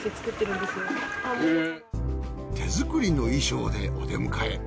手作りの衣装でお出迎え。